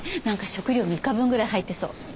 なんか食料３日分ぐらい入ってそう。